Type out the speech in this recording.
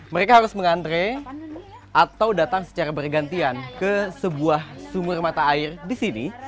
mereka harus mengantre atau datang secara bergantian ke sebuah sumur mata air di sini